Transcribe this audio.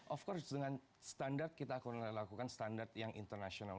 of course dengan standar kita akan melakukan standar yang internasional